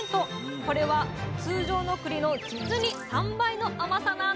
これは通常のくりのじつに３倍の甘さなんです